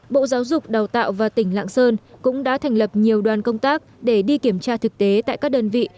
bộ giáo dục đào tạo và tỉnh lạng sơn cũng đã thành lập nhiều đoàn công tác để đi kiểm tra thực tế tại các đơn vị